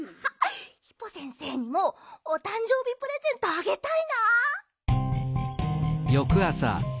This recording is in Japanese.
ヒポ先生にもおたんじょうびプレゼントあげたいな。